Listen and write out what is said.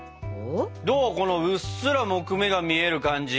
どうこのうっすら木目が見える感じ。